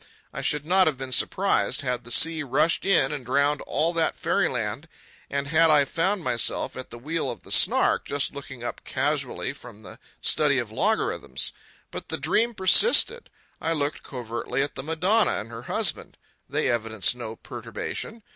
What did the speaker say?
I should not have been surprised had the sea rushed in and drowned all that fairyland and had I found myself at the wheel of the Snark just looking up casually from the study of logarithms. But the dream persisted. I looked covertly at the Madonna and her husband. They evidenced no perturbation.